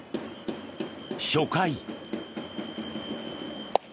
初回。